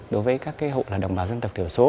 đối với các hộ đồng bào